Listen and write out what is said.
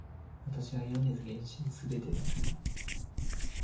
私は米津玄師の全てが好きだ